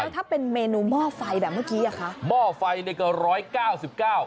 ถ้าเป็นเมนูหม้อไฟแบบเมื่อกี้อ่ะคะหม้อไฟเนี่ยก็ร้อยเก้าสิบเก้า